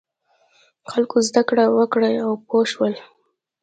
خلکو زده کړه وکړه او پوه شول.